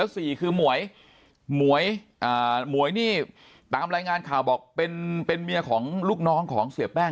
สี่คือหมวยตามรายงานข่าวบอกเป็นเมียหลูกน้องของเสียแป้ง